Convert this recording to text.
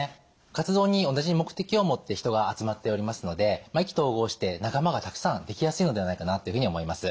活動に同じ目的を持って人が集まっておりますので意気投合して仲間がたくさんできやすいのではないかなっていうふうに思います。